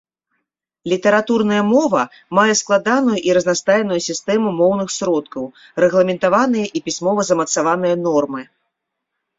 Літаратурная мова мае складаную і разнастайную сістэму моўных сродкаў, рэгламентаваныя і пісьмова замацаваныя нормы.